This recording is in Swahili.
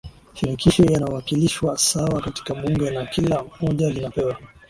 shirikisho yanawakilishwa sawa katika bunge na kila moja linapewa